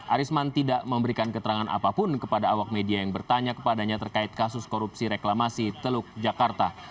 arisman tidak memberikan keterangan apapun kepada awak media yang bertanya kepadanya terkait kasus korupsi reklamasi teluk jakarta